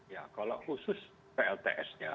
ya kalau khusus plts nya